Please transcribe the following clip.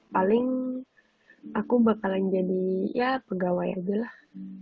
paling aku bakalan jadi ya pegawai aja lah